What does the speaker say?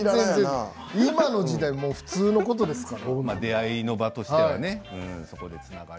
今の時代普通のことですから。